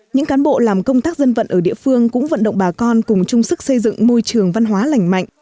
những cán bộ làm công tác dân vận ở địa phương cũng vận động bà con cùng chung sức xây dựng môi trường văn hóa lành mạnh